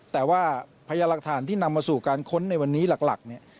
แต่ว่าพยานหลักฐานที่นำมาสู่การค้นในวันนี้หลักเนี่ย